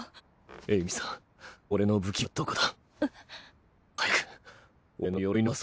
エイミさん俺の武器はどこだ？